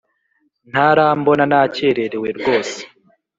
Ntarambona nakererewe rwose